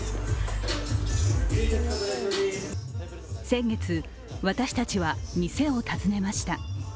先月、私たちは店を訪ねました。